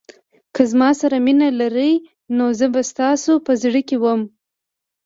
که زما سره مینه لرئ نو زه به ستاسو په زړه کې وم.